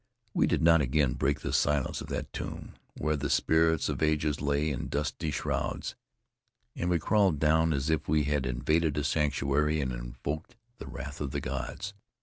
We did not again break the silence of that tomb, where the spirits of ages lay in dusty shrouds; and we crawled down as if we had invaded a sanctuary and invoked the wrath of the gods.